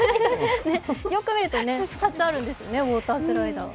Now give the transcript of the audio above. よく見ると２つあるんですね、ウォータースライダー。